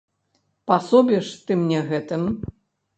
Пасобіш ты мне гэтым!